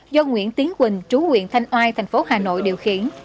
do nguyễn tiến quỳnh trú huyện thanh oai tp hcm điều khiển